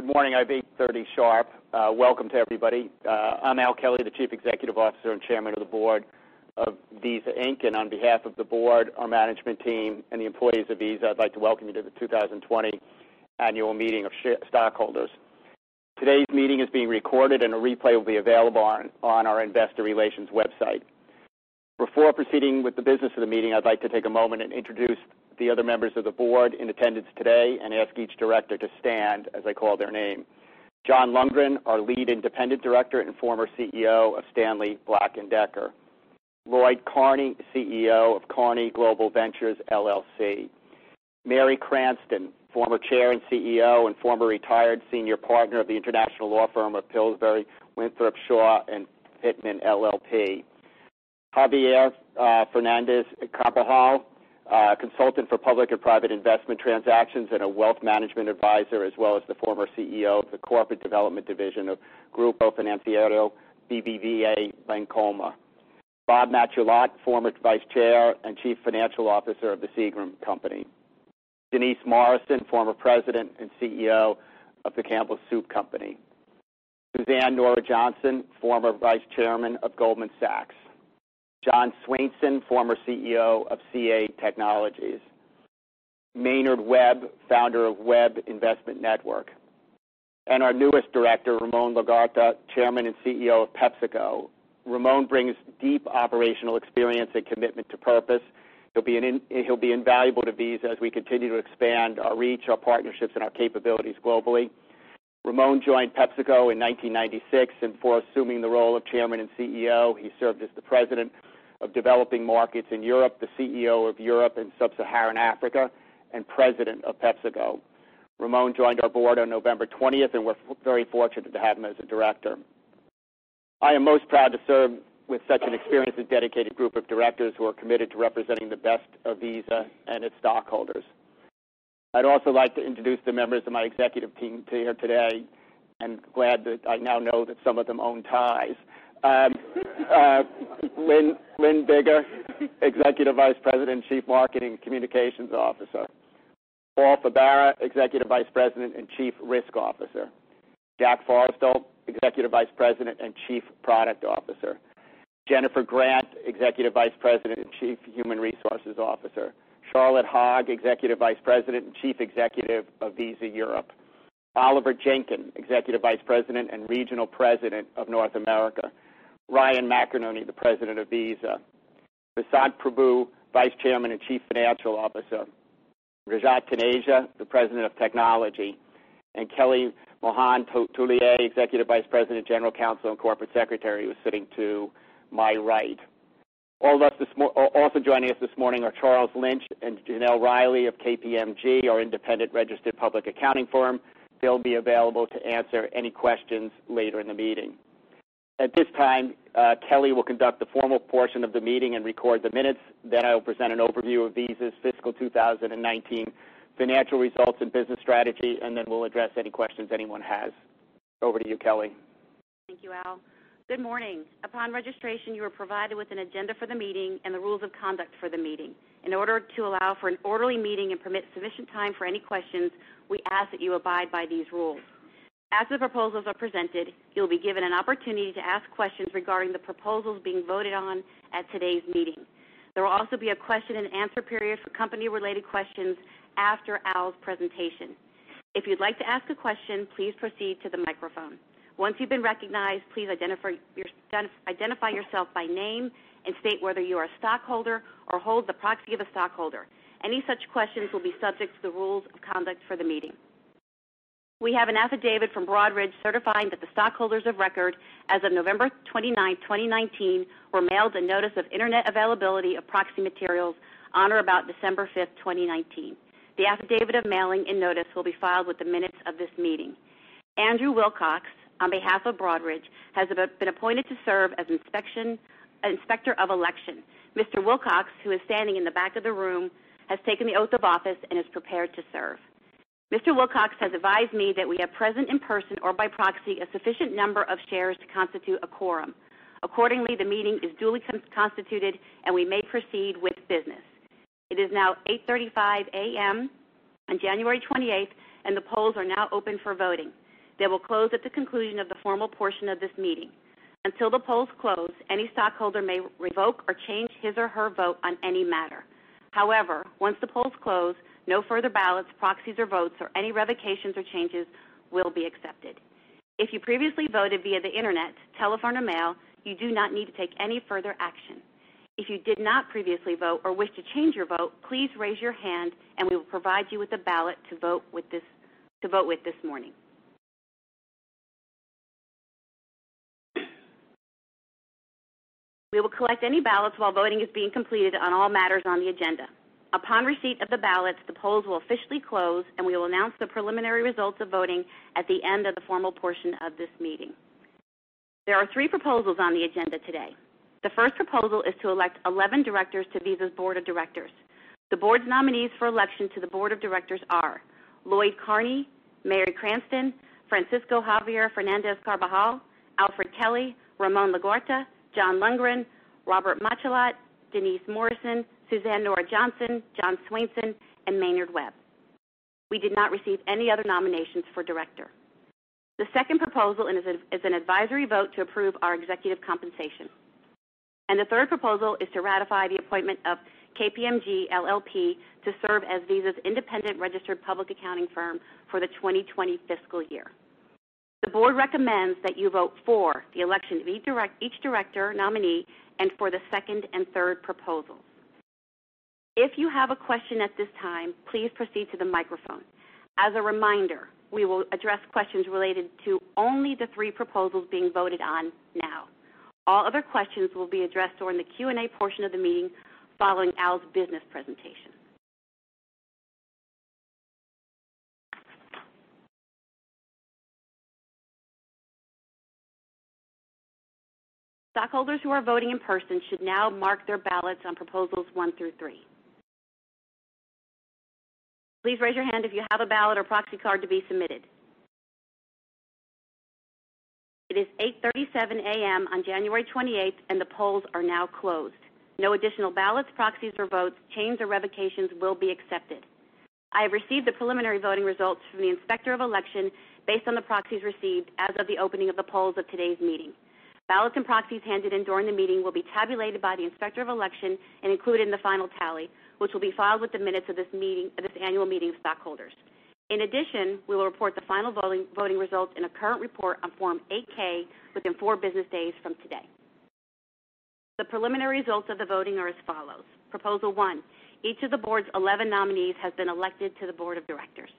Good morning. It is 8:30 sharp. Welcome to everybody. I'm Al Kelly, the Chief Executive Officer and Chairman of the Board of Visa Inc. On behalf of the board, our management team, and the employees of Visa, I'd like to welcome you to the 2020 annual meeting of shareholders. Today's meeting is being recorded and a replay will be available on our investor relations website. Before proceeding with the business of the meeting, I'd like to take a moment and introduce the other members of the board in attendance today and ask each director to stand as I call their name. John Lundgren, our Lead Independent Director and former CEO of Stanley Black & Decker. Lloyd Carney, CEO of Carney Global Ventures LLC. Mary Cranston, former Chair and CEO, and former retired senior partner of the international law firm of Pillsbury Winthrop Shaw Pittman LLP. Javier Fernández-Carbajal, consultant for public and private investment transactions and a wealth management advisor, as well as the former CEO of the corporate development division of Grupo Financiero BBVA Bancomer. Bob Matschullat, former vice chair and chief financial officer of The Seagram Company. Denise Morrison, former president and CEO of the Campbell Soup Company. Suzanne Nora Johnson, former vice chairman of Goldman Sachs. John Swainson, former CEO of CA Technologies. Maynard Webb, founder of Webb Investment Network, and our newest director, Ramon Laguarta, chairman and CEO of PepsiCo. Ramon brings deep operational experience and commitment to purpose. He'll be invaluable to Visa as we continue to expand our reach, our partnerships, and our capabilities globally. Ramon joined PepsiCo in 1996, and before assuming the role of chairman and CEO, he served as the president of developing markets in Europe, the CEO of Europe and sub-Saharan Africa, and president of PepsiCo. Ramon joined our board on November 20th. We're very fortunate to have him as a director. I am most proud to serve with such an experienced and dedicated group of directors who are committed to representing the best of Visa and its stockholders. I'd also like to introduce the members of my executive team here today. Glad that I now know that some of them own ties. Lynne Biggar, Executive Vice President and Chief Marketing Communications Officer. Paul Fabara, Executive Vice President and Chief Risk Officer. Jack Forestell, Executive Vice President and Chief Product Officer. Jennifer Grant, Executive Vice President and Chief Human Resources Officer. Charlotte Hogg, Executive Vice President and Chief Executive of Visa Europe. Oliver Jenkyn, Executive Vice President and Regional President of North America. Ryan McInerney, the President of Visa. Vasant Prabhu, Vice Chairman and Chief Financial Officer. Rajat Taneja, the President of Technology, and Kelly Mahon Tullier, Executive Vice President, General Counsel, and Corporate Secretary, who is sitting to my right. Joining us this morning are Charles Scharf and Janelle Riley of KPMG, our independent registered public accounting firm. They'll be available to answer any questions later in the meeting. At this time, Kelly will conduct the formal portion of the meeting and record the minutes. I will present an overview of Visa's fiscal 2019 financial results and business strategy, we'll address any questions anyone has. Over to you, Kelly. Thank you, Al. Good morning. Upon registration, you were provided with an agenda for the meeting and the rules of conduct for the meeting. In order to allow for an orderly meeting and permit sufficient time for any questions, we ask that you abide by these rules. As the proposals are presented, you'll be given an opportunity to ask questions regarding the proposals being voted on at today's meeting. There will also be a question and answer period for company-related questions after Al's presentation. If you'd like to ask a question, please proceed to the microphone. Once you've been recognized, please identify yourself by name and state whether you are a stockholder or hold the proxy of a stockholder. Any such questions will be subject to the rules of conduct for the meeting. We have an affidavit from Broadridge certifying that the stockholders of record as of November 29th, 2019, were mailed a notice of internet availability of proxy materials on or about December 5th, 2019. The affidavit of mailing and notice will be filed with the minutes of this meeting. Andrew Wilcox, on behalf of Broadridge, has been appointed to serve as inspector of election. Mr. Wilcox, who is standing in the back of the room, has taken the oath of office and is prepared to serve. Mr. Wilcox has advised me that we have present in person or by proxy a sufficient number of shares to constitute a quorum. Accordingly, the meeting is duly constituted, and we may proceed with business. It is now 8:35 A.M. on January 28th, and the polls are now open for voting. They will close at the conclusion of the formal portion of this meeting. Until the polls close, any stockholder may revoke or change his or her vote on any matter. Once the polls close, no further ballots, proxies, or votes, or any revocations or changes will be accepted. If you previously voted via the internet, telephone, or mail, you do not need to take any further action. If you did not previously vote or wish to change your vote, please raise your hand and we will provide you with a ballot to vote with this morning. We will collect any ballots while voting is being completed on all matters on the agenda. Upon receipt of the ballots, the polls will officially close, and we will announce the preliminary results of voting at the end of the formal portion of this meeting. There are three proposals on the agenda today. The first proposal is to elect 11 directors to Visa's board of directors. The board's nominees for election to the board of directors are Lloyd Carney, Mary Cranston, Francisco Javier Fernández-Carbajal, Alfred Kelly, Ramon Laguarta, John Lundgren, Robert Matschullat, Denise Morrison, Suzanne Nora Johnson, John Swainson, and Maynard Webb. We did not receive any other nominations for director. The second proposal is an advisory vote to approve our executive compensation. The third proposal is to ratify the appointment of KPMG LLP to serve as Visa's independent registered public accounting firm for the 2020 fiscal year. The board recommends that you vote for the election of each director nominee and for the second and third proposals. If you have a question at this time, please proceed to the microphone. As a reminder, we will address questions related to only the three proposals being voted on now. All other questions will be addressed during the Q&A portion of the meeting following Al's business presentation. Stockholders who are voting in person should now mark their ballots on proposals one through three. Please raise your hand if you have a ballot or proxy card to be submitted. It is 8:37 A.M. on January 28th, and the polls are now closed. No additional ballots, proxies for votes, chains, or revocations will be accepted. I have received the preliminary voting results from the Inspector of Election based on the proxies received as of the opening of the polls of today's meeting. Ballots and proxies handed in during the meeting will be tabulated by the Inspector of Election and included in the final tally, which will be filed with the minutes of this annual meeting of stockholders. In addition, we will report the final voting results in a current report on Form 8-K within four business days from today. The preliminary results of the voting are as follows. Proposal one, each of the board's 11 nominees has been elected to the board of directors.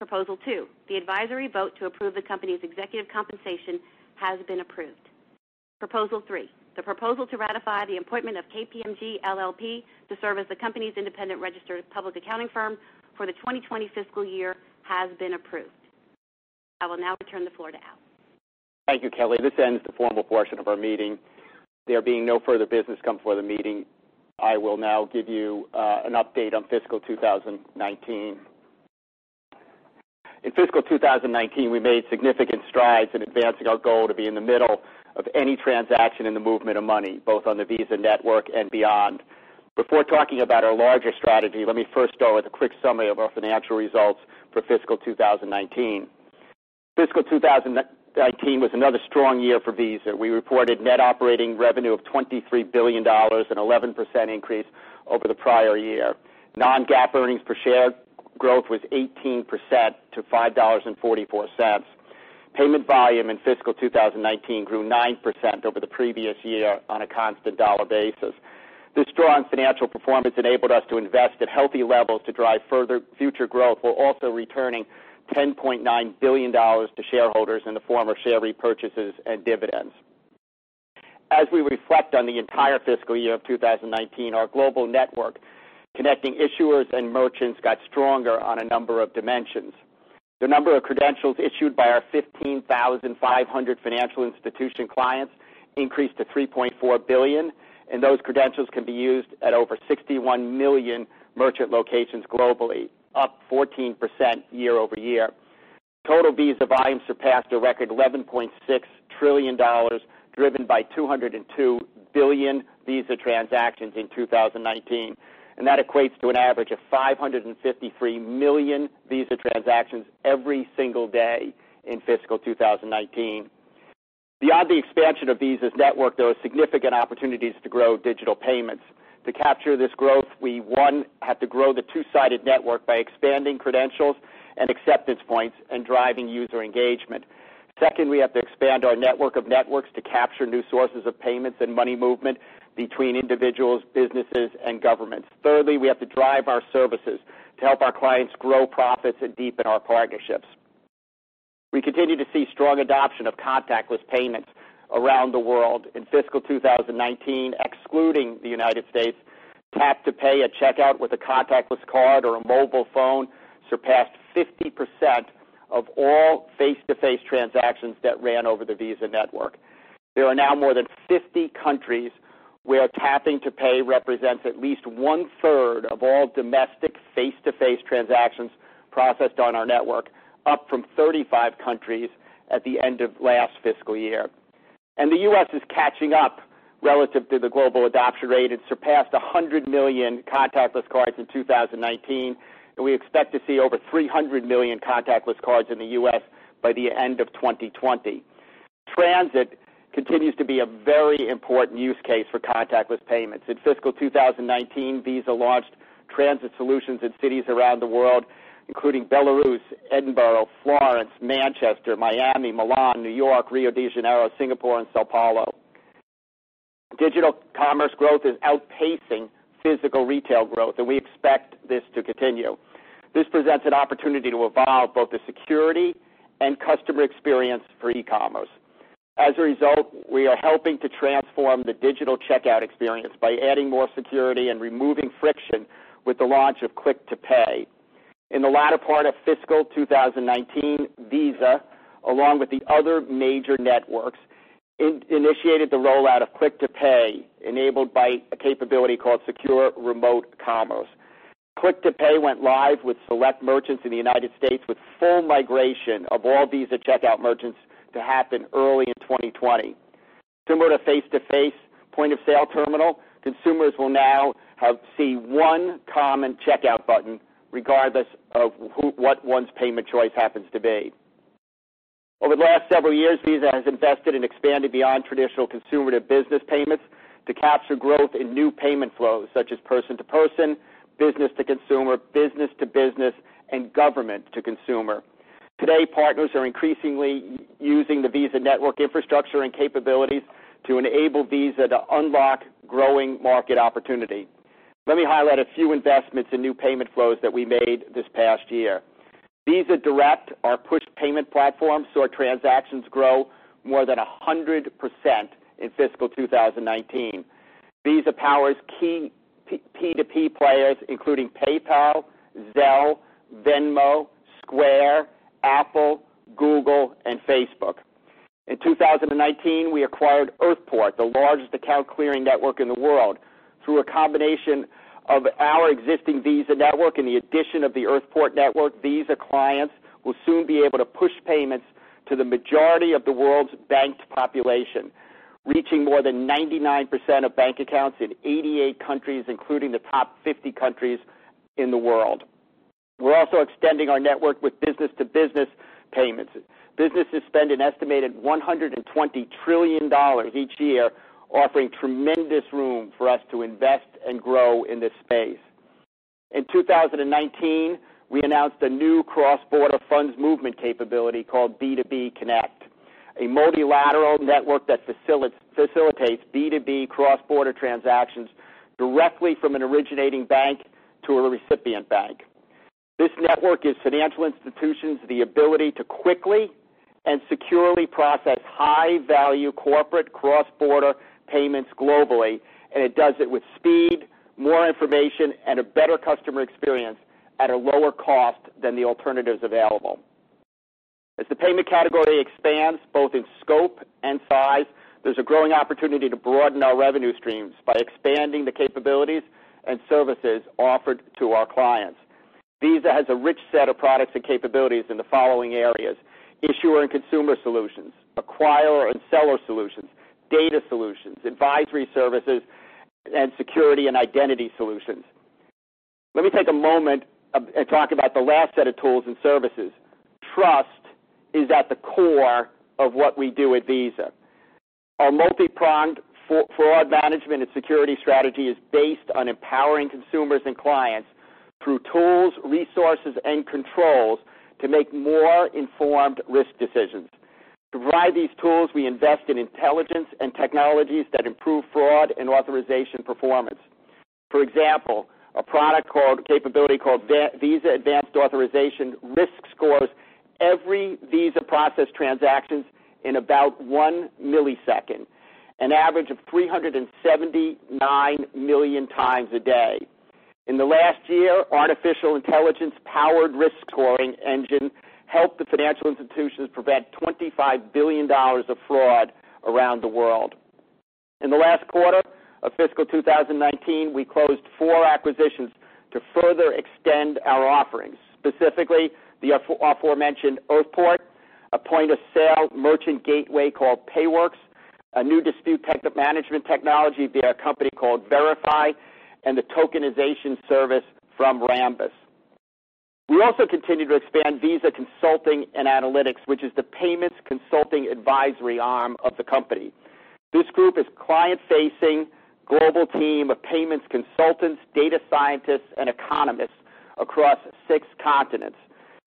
Proposal two, the advisory vote to approve the company's executive compensation has been approved. Proposal three, the proposal to ratify the appointment of KPMG LLP to serve as the company's independent registered public accounting firm for the 2020 fiscal year has been approved. I will now return the floor to Al. Thank you, Kelly. This ends the formal portion of our meeting. There being no further business comes before the meeting, I will now give you an update on fiscal 2019. In fiscal 2019, we made significant strides in advancing our goal to be in the middle of any transaction in the movement of money, both on the Visa network and beyond. Before talking about our larger strategy, let me first start with a quick summary of our financial results for fiscal 2019. Fiscal 2019 was another strong year for Visa. We reported net operating revenue of $23 billion, an 11% increase over the prior year. non-GAAP earnings per share growth was 18% to $5.44. Payment volume in fiscal 2019 grew 9% over the previous year on a constant dollar basis. This strong financial performance enabled us to invest at healthy levels to drive further future growth, while also returning $10.9 billion to shareholders in the form of share repurchases and dividends. As we reflect on the entire fiscal year of 2019, our global network connecting issuers and merchants got stronger on a number of dimensions. The number of credentials issued by our 15,500 financial institution clients increased to 3.4 billion, and those credentials can be used at over 61 million merchant locations globally, up 14% year-over-year. Total Visa volume surpassed a record $11.6 trillion, driven by 202 billion Visa transactions in 2019, and that equates to an average of 553 million Visa transactions every single day in fiscal 2019. Beyond the expansion of Visa's network, there are significant opportunities to grow digital payments. To capture this growth, we, one, have to grow the two-sided network by expanding credentials and acceptance points and driving user engagement. Second, we have to expand our network of networks to capture new sources of payments and money movement between individuals, businesses, and governments. Thirdly, we have to drive our services to help our clients grow profits and deepen our partnerships. We continue to see strong adoption of contactless payments around the world. In fiscal 2019, excluding the United States, tap to pay a checkout with a contactless card or a mobile phone surpassed 50% of all face-to-face transactions that ran over the Visa network. There are now more than 50 countries where tapping to pay represents at least one-third of all domestic face-to-face transactions processed on our network, up from 35 countries at the end of last fiscal year. The U.S. is catching up relative to the global adoption rate. It surpassed 100 million contactless cards in 2019, and we expect to see over 300 million contactless cards in the U.S. by the end of 2020. Transit continues to be a very important use case for contactless payments. In fiscal 2019, Visa launched transit solutions in cities around the world, including Belarus, Edinburgh, Florence, Manchester, Miami, Milan, New York, Rio de Janeiro, Singapore, and São Paulo. Digital commerce growth is outpacing physical retail growth, and we expect this to continue. This presents an opportunity to evolve both the security and customer experience for e-commerce. As a result, we are helping to transform the digital checkout experience by adding more security and removing friction with the launch of Click to Pay. In the latter part of fiscal 2019, Visa, along with the other major networks initiated the rollout of Click to Pay, enabled by a capability called Secure Remote Commerce. Click to Pay went live with select merchants in the United States, with full migration of all Visa Checkout merchants to happen early in 2020. Similar to face-to-face point-of-sale terminal, consumers will now see one common checkout button regardless of what one's payment choice happens to be. Over the last several years, Visa has invested in expanding beyond traditional consumer-to-business payments to capture growth in new payment flows such as person-to-person, business-to-consumer, business-to-business, and government-to-consumer. Today, partners are increasingly using the Visa network infrastructure and capabilities to enable Visa to unlock growing market opportunity. Let me highlight a few investments in new payment flows that we made this past year. Visa Direct, our push payment platform, saw transactions grow more than 100% in fiscal 2019. Visa powers key P2P players including PayPal, Zelle, Venmo, Square, Apple, Google, and Facebook. In 2019, we acquired Earthport, the largest account clearing network in the world. Through a combination of our existing Visa network and the addition of the Earthport network, Visa clients will soon be able to push payments to the majority of the world's banked population, reaching more than 99% of bank accounts in 88 countries, including the top 50 countries in the world. We're also extending our network with business-to-business payments. Businesses spend an estimated $120 trillion each year, offering tremendous room for us to invest and grow in this space. In 2019, we announced a new cross-border funds movement capability called B2B Connect, a multilateral network that facilitates B2B cross-border transactions directly from an originating bank to a recipient bank. This network gives financial institutions the ability to quickly and securely process high-value corporate cross-border payments globally. It does it with speed, more information, and a better customer experience at a lower cost than the alternatives available. As the payment category expands both in scope and size, there's a growing opportunity to broaden our revenue streams by expanding the capabilities and services offered to our clients. Visa has a rich set of products and capabilities in the following areas: issuer and consumer solutions, acquirer and seller solutions, data solutions, advisory services, and security and identity solutions. Let me take a moment and talk about the last set of tools and services. Trust is at the core of what we do at Visa. Our multi-pronged fraud management and security strategy is based on empowering consumers and clients through tools, resources, and controls to make more informed risk decisions. To provide these tools, we invest in intelligence and technologies that improve fraud and authorization performance. For example, a capability called Visa Advanced Authorization risk scores every Visa processed transactions in about 1 ms, an average of 379 million times a day. In the last year, artificial intelligence-powered risk scoring engine helped the financial institutions prevent $25 billion of fraud around the world. In the last quarter of fiscal 2019, we closed four acquisitions to further extend our offerings. Specifically, the aforementioned Earthport, a point-of-sale merchant gateway called Payworks, a new dispute management technology via a company called Verifi, and the tokenization service from Rambus. We also continue to expand Visa Consulting and Analytics, which is the payments consulting advisory arm of the company. This group is client-facing global team of payments consultants, data scientists, and economists across six continents.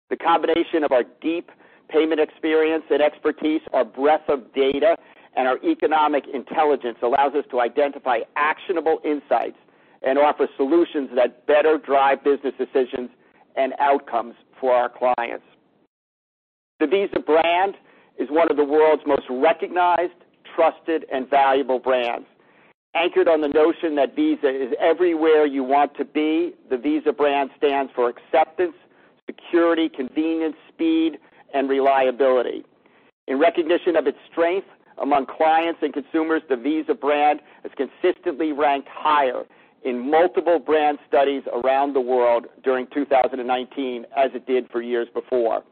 The combination of our deep payment experience and expertise, our breadth of data, and our economic intelligence allows us to identify actionable insights and offer solutions that better drive business decisions and outcomes for our clients. The Visa brand is one of the world's most recognized, trusted, and valuable brands. Anchored on the notion that Visa is everywhere you want to be, the Visa brand stands for acceptance, security, convenience, speed, and reliability. In recognition of its strength among clients and consumers, the Visa brand has consistently ranked higher in multiple brand studies around the world during 2019, as it did for years before.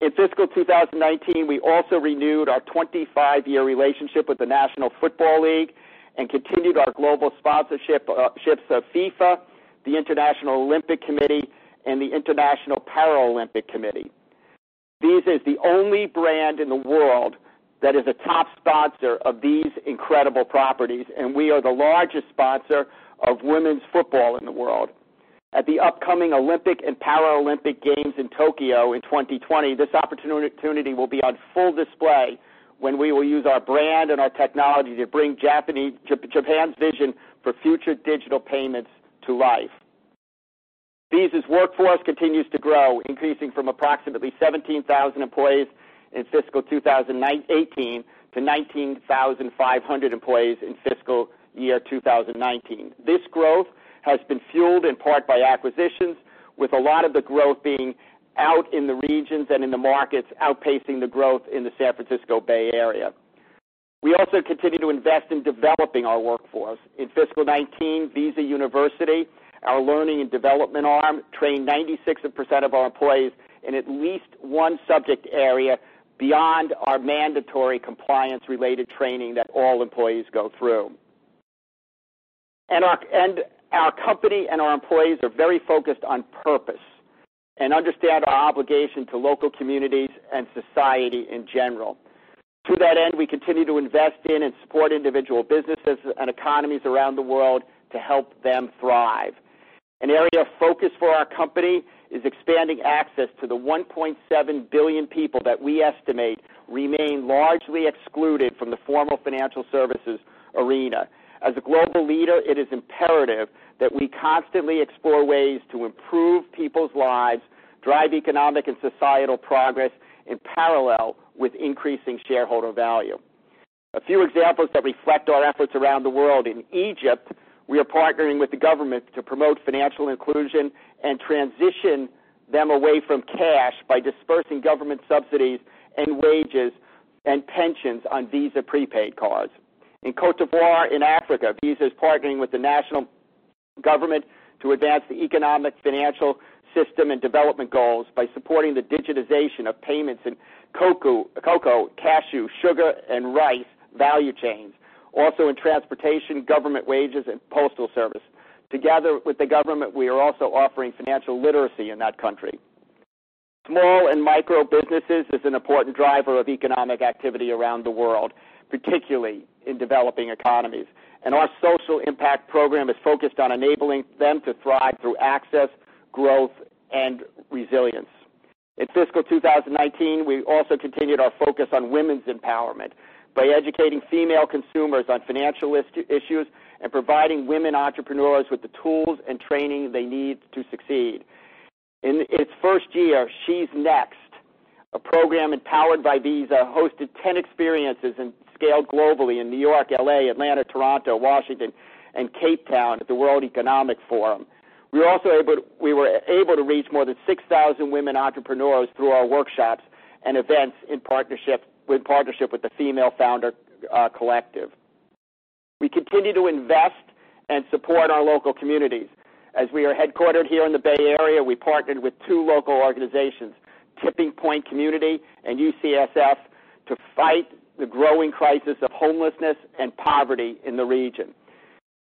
In fiscal 2019, we also renewed our 25-year relationship with the National Football League and continued our global sponsorships of FIFA, the International Olympic Committee, and the International Paralympic Committee. Visa is the only brand in the world that is a top sponsor of these incredible properties, and we are the largest sponsor of women's football in the world. At the upcoming Olympic and Paralympic Games in Tokyo in 2020, this opportunity will be on full display when we will use our brand and our technology to bring Japan's vision for future digital payments to life. Visa's workforce continues to grow, increasing from approximately 17,000 employees in fiscal 2018 to 19,500 employees in fiscal year 2019. This growth has been fueled in part by acquisitions. With a lot of the growth being out in the regions and in the markets outpacing the growth in the San Francisco Bay Area. We also continue to invest in developing our workforce. In fiscal 2019, Visa University, our learning and development arm, trained 96% of our employees in at least one subject area beyond our mandatory compliance-related training that all employees go through. Our company and our employees are very focused on purpose and understand our obligation to local communities and society in general. To that end, we continue to invest in and support individual businesses and economies around the world to help them thrive. An area of focus for our company is expanding access to the 1.7 billion people that we estimate remain largely excluded from the formal financial services arena. As a global leader, it is imperative that we constantly explore ways to improve people's lives, drive economic and societal progress in parallel with increasing shareholder value. A few examples that reflect our efforts around the world. In Egypt, we are partnering with the government to promote financial inclusion and transition them away from cash by dispersing government subsidies and wages and pensions on Visa prepaid cards. In Côte d'Ivoire in Africa, Visa is partnering with the national government to advance the economic financial system and development goals by supporting the digitization of payments in cocoa, cashew, sugar, and rice value chains. In transportation, government wages, and postal service. Together with the government, we are also offering financial literacy in that country. Small and micro businesses is an important driver of economic activity around the world, particularly in developing economies. Our social impact program is focused on enabling them to thrive through access, growth, and resilience. In fiscal 2019, we also continued our focus on women's empowerment by educating female consumers on financial issues and providing women entrepreneurs with the tools and training they need to succeed. In its first year, She's Next, a program empowered by Visa, hosted 10 experiences and scaled globally in New York, L.A., Atlanta, Toronto, Washington, and Cape Town at the World Economic Forum. We were able to reach more than 6,000 women entrepreneurs through our workshops and events with partnership with the Female Founder Collective. We continue to invest and support our local communities. As we are headquartered here in the Bay Area, we partnered with two local organizations, Tipping Point Community and UCSF, to fight the growing crisis of homelessness and poverty in the region.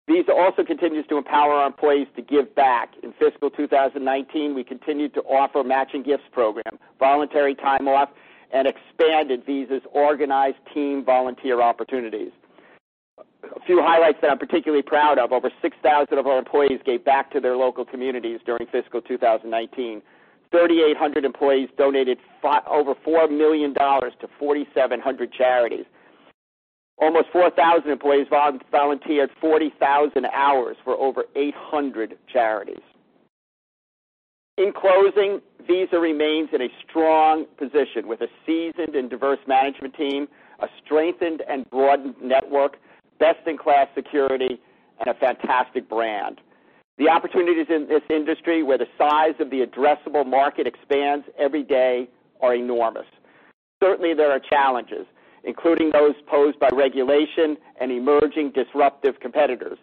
Visa also continues to empower our employees to give back. In fiscal 2019, we continued to offer matching gifts program, voluntary time off, and expanded Visa's organized team volunteer opportunities. A few highlights that I'm particularly proud of. Over 6,000 of our employees gave back to their local communities during fiscal 2019. 3,800 employees donated over $4 million to 4,700 charities. Almost 4,000 employees volunteered 40,000 hours for over 800 charities. In closing, Visa remains in a strong position with a seasoned and diverse management team, a strengthened and broadened network, best-in-class security, and a fantastic brand. The opportunities in this industry, where the size of the addressable market expands every day, are enormous. There are challenges, including those posed by regulation and emerging disruptive competitors.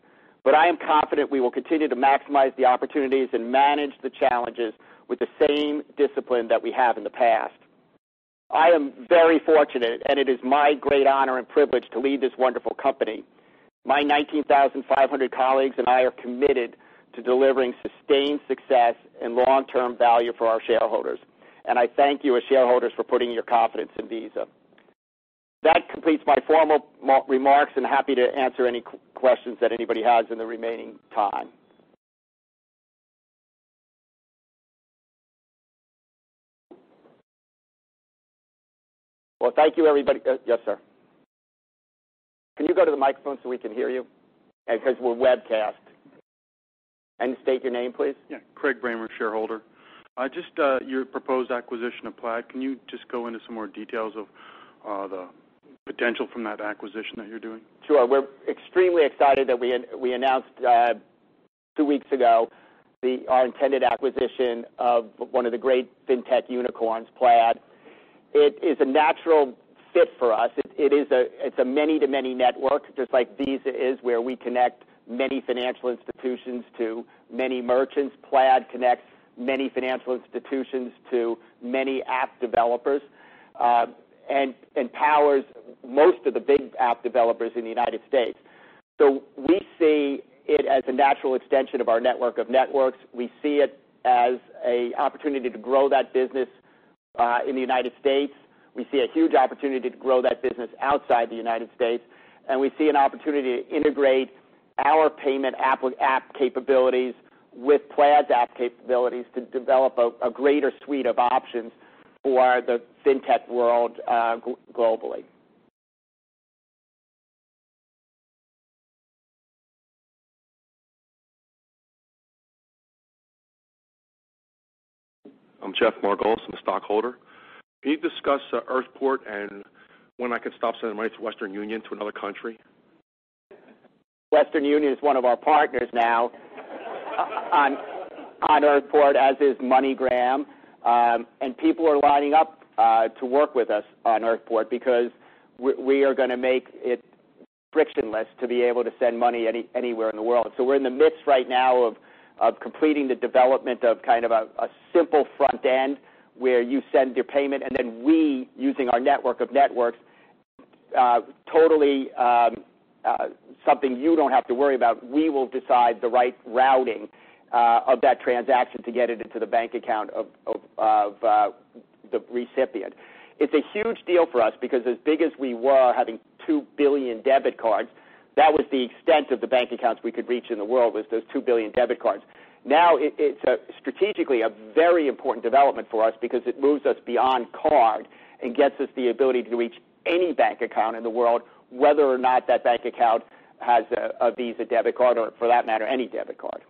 I am confident we will continue to maximize the opportunities and manage the challenges with the same discipline that we have in the past. I am very fortunate, and it is my great honor and privilege to lead this wonderful company. My 19,500 colleagues and I are committed to delivering sustained success and long-term value for our shareholders, and I thank you as shareholders for putting your confidence in Visa. That completes my formal remarks, and happy to answer any questions that anybody has in the remaining time. Well, thank you, everybody. Yes, sir. Can you go to the microphone so we can hear you? Because we're webcast. State your name, please. Yeah. Craig Brammer, shareholder. Just your proposed acquisition of Plaid, can you just go into some more details of the potential from that acquisition that you're doing? Sure. We're extremely excited that we announced two weeks ago our intended acquisition of one of the great fintech unicorns, Plaid. It is a natural fit for us. It's a many-to-many network, just like Visa is, where we connect many financial institutions to many merchants. Plaid connects many financial institutions to many app developers, and empowers most of the big app developers in the United States. We see it as a natural extension of our network of networks. We see it as an opportunity to grow that business in the United States. We see a huge opportunity to grow that business outside the United States, and we see an opportunity to integrate our payment app capabilities with Plaid's app capabilities to develop a greater suite of options for the fintech world globally. I'm Jeff Margolis. I'm a stockholder. Can you discuss Earthport and when I can stop sending money to Western Union to another country? Western Union is one of our partners now on Earthport, as is MoneyGram. People are lining up to work with us on Earthport because we are going to make it frictionless to be able to send money anywhere in the world. We're in the midst right now of completing the development of kind of a simple front end where you send your payment, and then we, using our network of networks, totally something you don't have to worry about. We will decide the right routing of that transaction to get it into the bank account of the recipient. It's a huge deal for us because as big as we were having 2 billion debit cards, that was the extent of the bank accounts we could reach in the world was those 2 billion debit cards. It's strategically a very important development for us because it moves us beyond card and gets us the ability to reach any bank account in the world, whether or not that bank account has a Visa debit card or, for that matter, any debit card.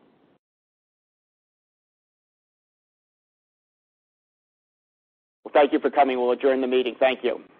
Well, thank you for coming. We'll adjourn the meeting. Thank you.